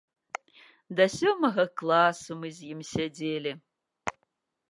Да сёмага класа мы з ім сядзелі.